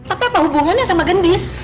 apa hubungannya sama gendis